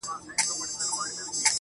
• ستا په تعويذ كي به خپل زړه وويني.